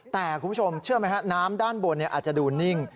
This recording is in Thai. แต่คุณผู้ชมเชื่อไหมฮะน้ำด้านบนอาจจะดูนิ่ง